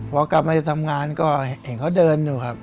พอกลับมาจะทำงานก็เห็นเขาเดินอยู่ครับ